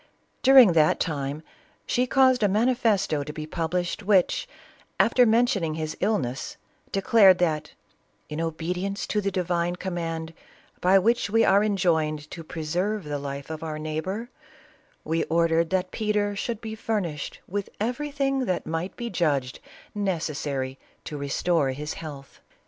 During that time, she caused a manifesto to be published, which, after mentioning his illness, declared that "in obedience to the divine command, by which we are en • l to preserve the life of our neighbor, we ordered that Peter should be furnished with everything that might be judged necessary to restore his health."